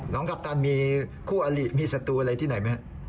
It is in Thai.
น้องกัปตันมีคู่อาหรี่มีสตูอะไรที่ไหนมั้ย